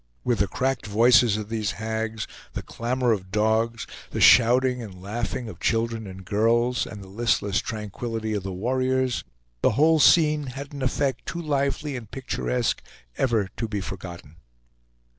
With the cracked voices of these hags, the clamor of dogs, the shouting and laughing of children and girls, and the listless tranquillity of the warriors, the whole scene had an effect too lively and picturesque ever to be forgotten.